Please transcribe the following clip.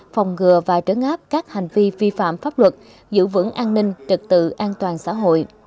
phòng ngừa và trớ ngáp các hành vi vi phạm pháp luật giữ vững an ninh trực tự an toàn xã hội